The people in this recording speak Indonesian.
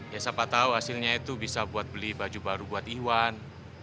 ya siapa tahu hasilnya itu bisa buat beli baju baru buat ihwan